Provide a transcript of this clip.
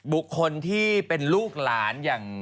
บุคคลที่เป็นลูกหลาน